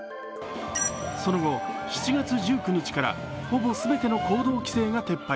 その後、７月１９日からほぼ全ての行動規制が撤廃。